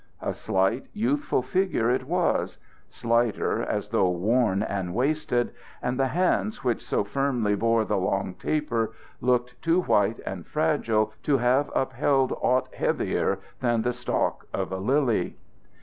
A slight, youthful figure it was slighter, as though worn and wasted; and the hands which so firmly bore the long taper looked too white and fragile to have upheld aught heavier than the stalk of a lily.